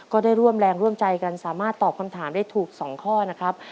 ก็ได้ร่วมแรงร่วมใจกันสามารถตอบคำถามได้ถูก๒ข้อนะครับ